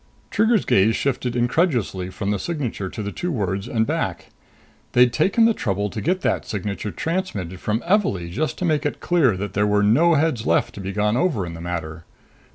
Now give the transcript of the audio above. Trigger's gaze shifted incredulously from the signature to the two words, and back. They'd taken the trouble to get that signature transmitted from Evalee just to make it clear that there were no heads left to be gone over in the matter.